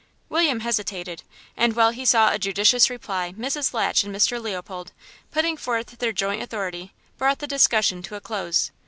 William hesitated, and while he sought a judicious reply Mrs. Latch and Mr. Leopold, putting forth their joint authority, brought the discussion to a close.